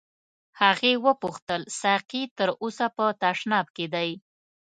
هغې وپوښتل ساقي تر اوسه په تشناب کې دی.